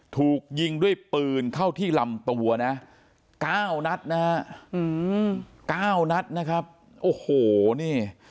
ถูกยิงด้วยปืนเข้าที่ลำตัวนะ๙นัดนะฮะ๙นัดนะครับโอ้โหนี่